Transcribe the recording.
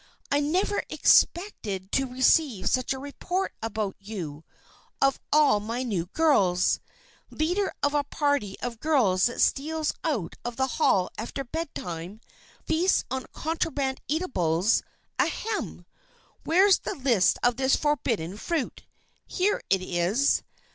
"I never expected to receive such a report about you, of all my new girls. Leader of a party of girls that steals out of the Hall after bedtime, feasts on contraband eatables Ahem! where's the list of this 'forbidden fruit'? Here it is!